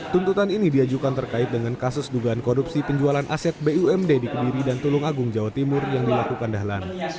tuntutan ini diajukan terkait dengan kasus dugaan korupsi penjualan aset bumd di kediri dan tulung agung jawa timur yang dilakukan dahlan